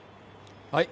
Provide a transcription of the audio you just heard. はい。